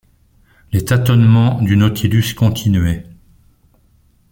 Les tâtonnements du Nautilus continuaient.